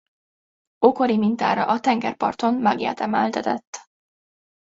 Ókori mintára a tengerparton máglyát emeltetett.